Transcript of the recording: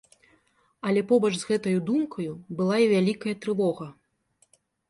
Але побач з гэтаю думкаю была і вялікая трывога.